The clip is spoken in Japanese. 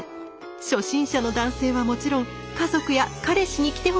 初心者の男性はもちろん家族や彼氏に着てほしい女性も必見です。